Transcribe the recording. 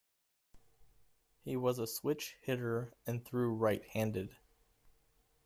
He was a switch-hitter and threw right-handed.